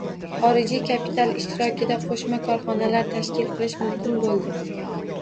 Xorijiy kapital ishtirokida qo‘shma korxonalar tashkil qilish mumkin bo‘ldi.